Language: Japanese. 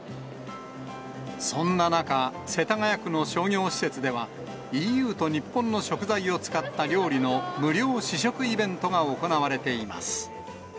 そんな中、世田谷区の商業施設では、ＥＵと日本の食材を使った料理の無料試食イベントが行われています。